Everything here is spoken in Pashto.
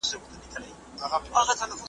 مسئولیت منل د زده کړې برخه ده.